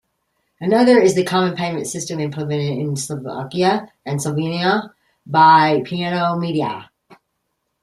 Another is the common payment system implemented in Slovakia and Slovenia by Piano Media.